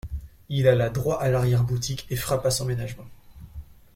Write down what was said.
Il alla droit à l’arrière-boutique et frappa sans ménagement.